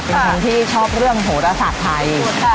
เป็นคนที่ชอบเรื่องโหรศาสตร์ไทย